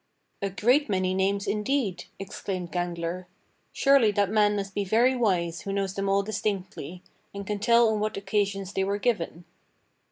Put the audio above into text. "A great many names, indeed!" exclaimed Gangler; "surely that man must be very wise who knows them all distinctly, and can tell on what occasions they were given."